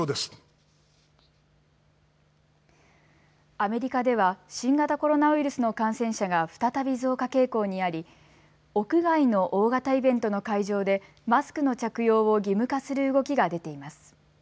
アメリカでは新型コロナウイルスの感染者が再び増加傾向にあり屋外の大型イベントの会場でマスクの着用を義務化する動きが出ています。